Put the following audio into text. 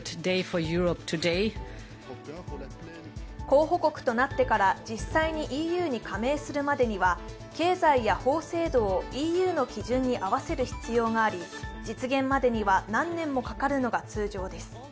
候補国となってから実際にＥＵに加盟するまでには経済や法制度をＥＵの基準に合わせる必要があり実現までには何年もかかるのが通常です。